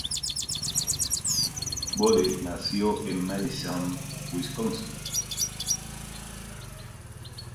Bode nació en Madison, Wisconsin.